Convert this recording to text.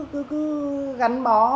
cứ gắn bó